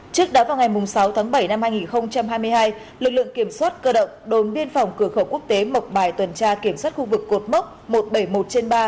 trước đó vào ngày sáu tháng bảy năm hai nghìn hai mươi hai lực lượng kiểm soát cơ động đồn biên phòng cửa khẩu quốc tế mộc bài tuần tra kiểm soát khu vực cột mốc một trăm bảy mươi một trên ba